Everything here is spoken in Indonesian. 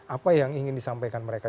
apa yang ingin disampaikan mereka